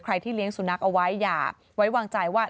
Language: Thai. ที่เลี้ยงสุนัขเอาไว้อย่าไว้วางใจว่า